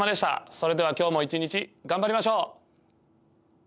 それでは今日も一日頑張りましょう。